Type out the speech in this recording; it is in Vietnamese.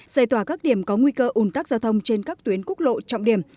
giải tỏa các điểm có nguy cơ ủn tắc giao thông trên các tuyến quốc lộ trọng điểm